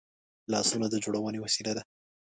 لاسونه د جوړونې وسیله ده